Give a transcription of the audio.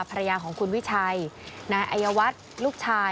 ภรรยาของคุณวิชัยนายอัยวัฒน์ลูกชาย